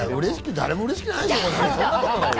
誰もうれしくないでしょ。